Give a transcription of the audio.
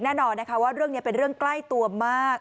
แน่นอนนะคะว่าเรื่องนี้เป็นเรื่องใกล้ตัวมาก